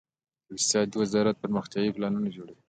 د اقتصاد وزارت پرمختیايي پلانونه جوړوي